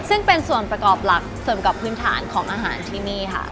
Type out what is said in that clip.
ซึ่งเป็นส่วนประกอบหลักเสริมกับพื้นฐานของอาหารที่นี่ค่ะ